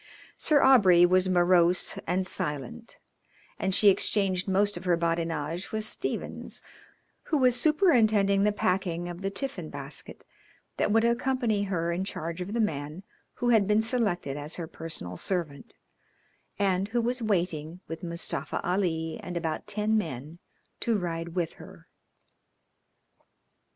Sir Aubrey was morose and silent, and she exchanged most of her badinage with Stephens, who was superintending the packing of the tiffin basket that would accompany her in charge of the man who had been selected as her personal servant, and who was waiting, with Mustafa Ali and about ten men, to ride with her.